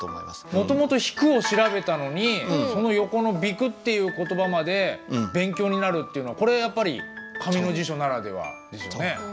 もともと「引く」を調べたのにその横の「比丘」っていう言葉まで勉強になるっていうのはこれやっぱり紙の辞書ならではですよね。